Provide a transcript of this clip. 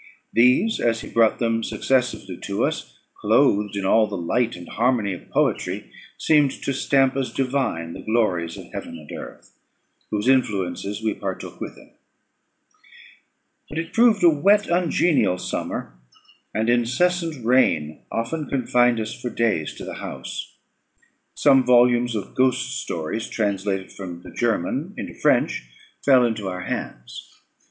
These, as he brought them successively to us, clothed in all the light and harmony of poetry, seemed to stamp as divine the glories of heaven and earth, whose influences we partook with him. But it proved a wet, ungenial summer, and incessant rain often confined us for days to the house. Some volumes of ghost stories, translated from the German into French, fell into our hands.